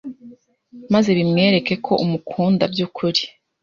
maze bimwereke ko umukunda by’ukuri